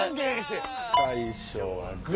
最初はグ！